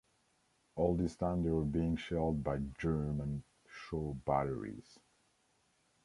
All this time, they were being shelled by German shore batteries.